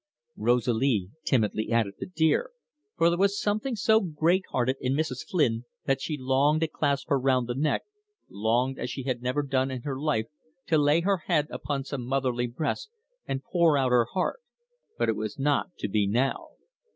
Rosalie timidly added the dear, for there was something so great hearted in Mrs. Flynn that she longed to clasp her round the neck, longed as she had never done in her life to lay her head upon some motherly breast and pour out her heart. But it was not to be now.